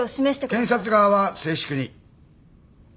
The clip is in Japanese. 検察側は静粛に。